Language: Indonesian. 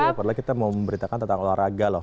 ya perlahan kita mau memberitakan tentang olahraga loh